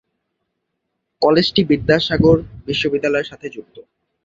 কলেজটি বিদ্যাসাগর বিশ্ববিদ্যালয়ের সাথে যুক্ত।